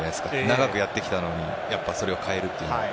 長くやってきたのにそれを変えるというのは。